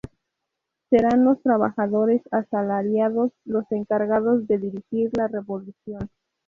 Serán los trabajadores asalariados los encargados de dirigir la revolución.